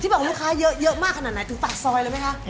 บอกลูกค้าเยอะมากขนาดไหนถึงปากซอยเลยไหมคะ